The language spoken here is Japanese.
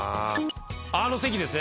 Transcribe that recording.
あの席ですね